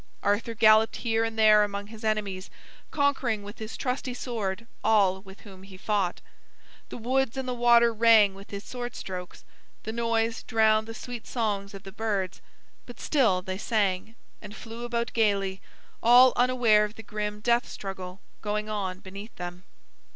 Arthur galloped here and there among his enemies, conquering with his trusty sword all with whom he fought. The woods and the water rang with his sword strokes. The noise drowned the sweet songs of the birds, but still they sang, and flew about gaily, all unaware of the grim death struggle going on beneath them.